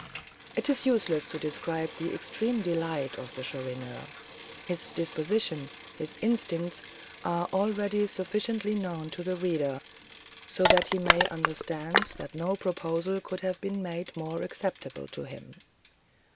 It is useless to describe the extreme delight of the Chourineur. His disposition, his instincts, are already sufficiently known to the reader, so that he may understand that no proposal could have been made more acceptable to him.